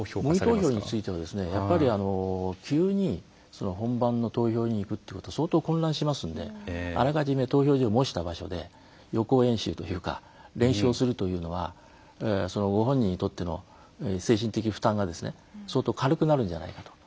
模擬投票に関しては急に本番の投票所に行くっていうことは相当混乱しますのであらかじめ投票所を模した場所で予行練習というか練習するというのはご本人にとっての精神的負担が相当軽くなるんじゃないかと。